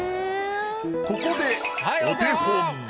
ここでお手本。